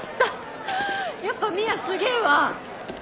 やっぱミアすげえわ。